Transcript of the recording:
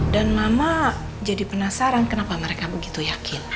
dan mama jadi penasaran kenapa mereka begitu yakin